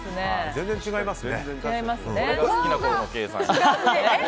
全然違いますね。